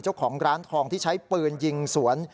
เจ้าของร้านทองที่ใช้ปืนยิงสวน